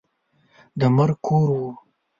د مرګ کور وو.